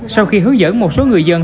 sau khi hướng dẫn một số người dân